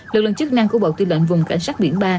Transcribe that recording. lực lượng chức năng của bộ tư lệnh vùng cảnh sát biển ba